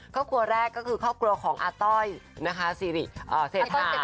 ครอบครัวแรกก็คือครอบครัวของอาต้อยนะคะเศรษฐา